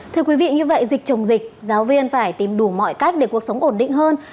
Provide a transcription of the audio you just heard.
thưa quý vị như vậy dịch chồng dịch giáo viên phải tìm đủ mọi cách để cuộc sống ổn định hơn